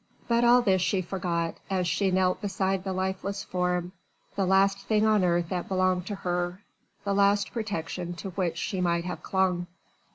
But all this she forgot, as she knelt beside the lifeless form the last thing on earth that belonged to her the last protection to which she might have clung.